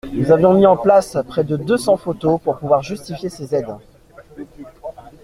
Nous avions mis en place près de deux cents photos pour pouvoir justifier ces aides.